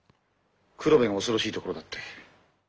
黒部の恐ろしいところだって。